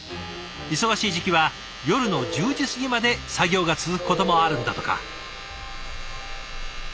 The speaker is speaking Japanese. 忙しい時期は夜の１０時過ぎまで作業が続くこともあるんだとか。